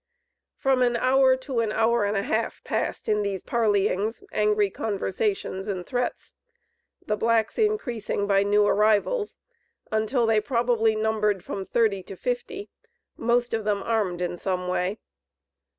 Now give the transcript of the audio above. From an hour to an hour and a half passed in these parleyings, angry conversations, and threats; the blacks increasing by new arrivals, until they probably numbered from thirty to fifty, most of them armed in some way.